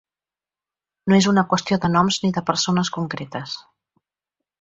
No és una qüestió de noms ni de persones concretes.